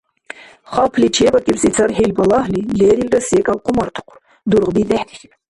Хапли чебакӀибси цархӀил балагьли лерилра секӀал хъумартахъур: дургъби дехӀдихьиб.